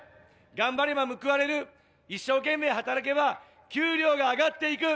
頑張れば報われる、一生懸命働けば、給料が上がっていく。